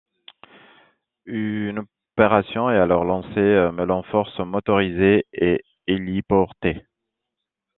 Une opération est alors lancée, mêlant forces motorisées et héliportées.